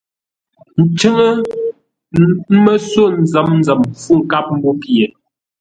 I@Cúŋə́ (lóŋə́) ə́ mə́ só nzəm nzəm mpfú nkâp mbô pye.